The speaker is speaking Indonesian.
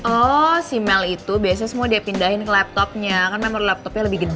oh si mal itu biasanya semua dia pindahin ke laptopnya kan member laptopnya lebih gede